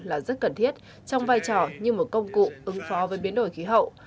là rất cần thiết trong vai trò như một công cụ ứng phó với biến đổi khí hậu